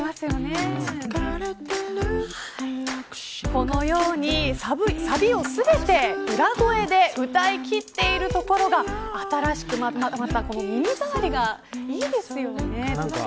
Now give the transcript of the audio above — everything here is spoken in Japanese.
このように、サビを全て裏声で歌いきっているところが新しくまた、耳障りがいいですよね。